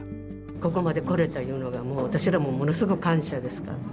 ここまで来れたいうのがもう私らものすごい感謝ですから。